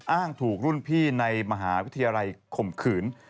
อ้างถูกรุ่นพี่ในมหาวิทยาลัยข่มขืน